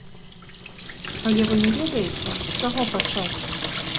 Але вы не ведаеце, з чаго пачаць?